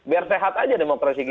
biar sehat aja demokrasi kita